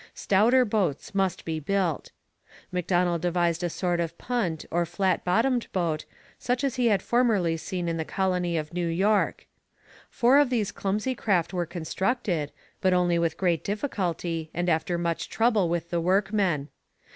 Stouter boats must be built. Macdonell devised a sort of punt or flat bottomed boat, such as he had formerly seen in the colony of New York. Four of these clumsy craft were constructed, but only with great difficulty, and after much trouble with the workmen.